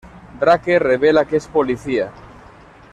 Drake revela que es policía.